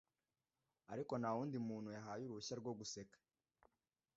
Ariko nta wundi muntu yahaye uruhushya rwo guseka